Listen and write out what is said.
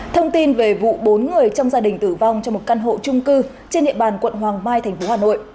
thông tin về vụ bốn người trong gia đình tử vong trong một căn hộ trung cư trên địa bàn quận hoàng mai tp hà nội